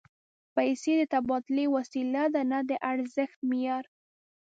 پیسې د تبادلې وسیله ده، نه د ارزښت معیار